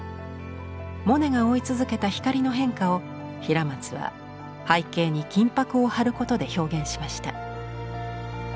モネが追い続けた光の変化を平松は背景に金箔を貼ることで表現しました。